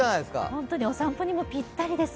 本当にお散歩にもぴったりです。